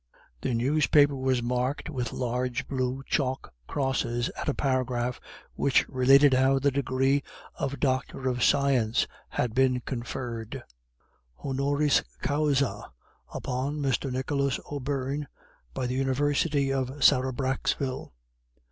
The newspaper was marked with large blue chalk crosses at a paragraph which related how the degree of D.Sc. had been conferred. Honoris Causâ upon Mr. Nicholas O'Beirne by the University of Sarabraxville.